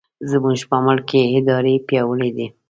زموږ په ملک کې ادارې پیاوړې دي.